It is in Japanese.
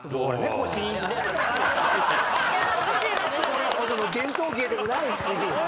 それほどの伝統芸でもないし。